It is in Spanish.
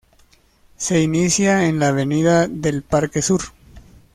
Se inicia en la avenida del Parque Sur.